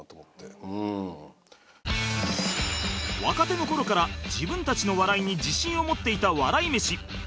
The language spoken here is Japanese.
若手の頃から自分たちの笑いに自信を持っていた笑い飯